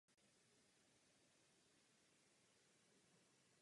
Muzeum je v majetku města Derby a spravuje jej městská rada.